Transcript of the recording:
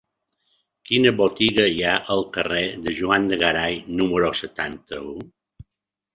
Quina botiga hi ha al carrer de Juan de Garay número setanta-u?